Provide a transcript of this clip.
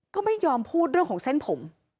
ก็ไม่ยอมพูดเรื่องของเส้นผม